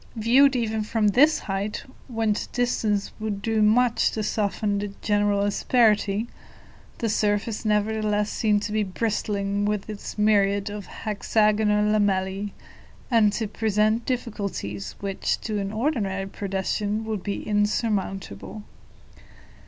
Viewed even from this height, whence distance would do much to soften the general asperity, the surface nevertheless seemed to be bristling with its myriads of hexagonal lamellae, and to present difficulties which, to an ordinary pedestrian, would be insurmountable.